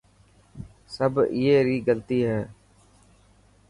سب ائي ري غلطي هي.